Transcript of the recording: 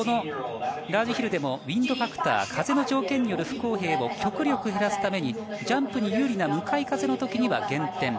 このラージヒルでもウインドファクター、風の条件による不公平を極力減らすためにジャンプに有利な向かい風の時には減点。